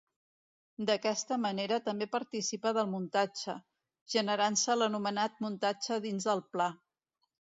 D'aquesta manera també participa del muntatge, generant-se l'anomenat muntatge dins del pla.